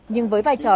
nhưng với vai trò